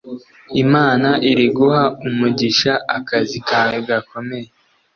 Imana iri guha umugisha akazi kawe gakomeye